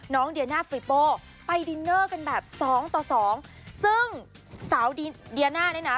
เดียน่าฟริโป้ไปดินเนอร์กันแบบสองต่อสองซึ่งสาวเดียน่าเนี่ยนะ